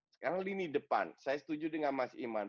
sekarang lini depan saya setuju dengan mas iman